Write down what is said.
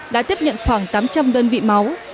đã tiếp nhận khoảng tám trăm linh đơn vị máu